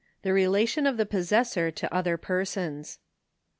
The Relation of the Possessor to other Persons.